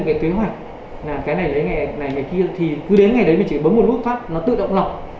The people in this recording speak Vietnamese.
cái kế hoạch là cái này đấy này kia thì cứ đến ngày đấy mình chỉ bấm một lúc phát nó tự động lọc